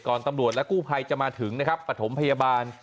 ตำรวจและกู้ภัยจะมาถึงนะครับปฐมพยาบาล